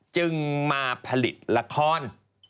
จึงมาผลิตละคร